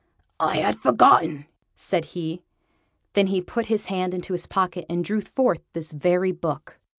"I had forgotten," said he. Then he put his hand into his pocket, and drew forth this very book.